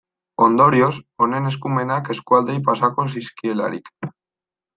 Ondorioz, honen eskumenak eskualdeei pasako zizkielarik.